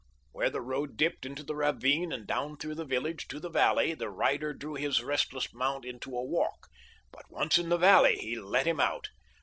Where the road dipped into the ravine and down through the village to the valley the rider drew his restless mount into a walk; but, once in the valley, he let him out.